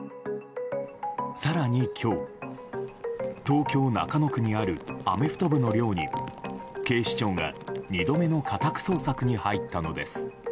更に今日、東京・中野区にあるアメフト部の寮に警視庁が２度目の家宅捜索に入ったのです。